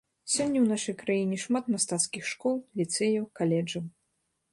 Сёння ў нашай краіне шмат мастацкіх школ, ліцэяў, каледжаў.